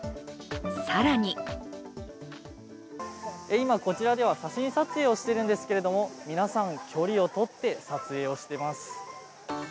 更に今、こちらでは写真撮影をしているんですけれども、皆さん、距離をとって撮影をしてます。